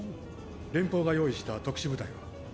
連邦が用意した特殊部隊は極めて。